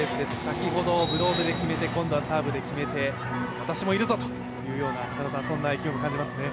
先ほどブロードで決めて今度はサーブで決めて私もいるぞというような意気込みも感じますね。